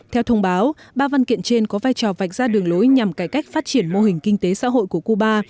theo thông báo ba văn kiện trên có vai trò vạch ra đường lối nhằm cải cách phát triển mô hình kinh tế xã hội của cuba